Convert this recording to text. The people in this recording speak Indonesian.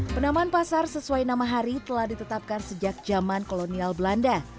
penamaan pasar sesuai nama hari telah ditetapkan sejak zaman kolonial belanda